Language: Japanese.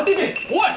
おい！